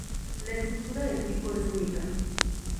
La estructura del pico es única.